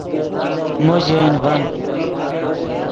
مو ژے ین ڤن